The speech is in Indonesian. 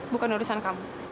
bukan urusan kamu